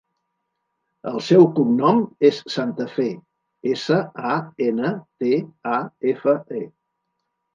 El seu cognom és Santafe: essa, a, ena, te, a, efa, e.